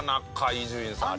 伊集院さん。